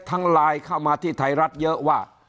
ไลน์เข้ามาที่ไทยรัฐเยอะว่า